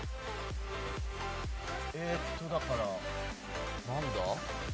えっとだからなんだ？